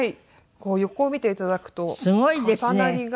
こう横を見て頂くと重なりが。